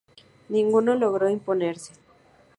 Ninguno logró imponerse.